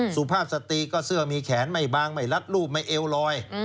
สุภาพสตรีก็เสื้อมีแขนไม่บางไม่รัดรูปไม่เอวลอย